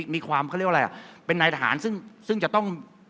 มีความเขาเรียกว่าอะไรอ่ะเป็นนายทหารซึ่งจะต้อง